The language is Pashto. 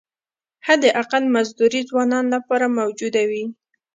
حداقل مزدوري ځوانانو لپاره موجوده وي.